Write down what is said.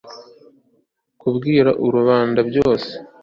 kubwira rubanda byose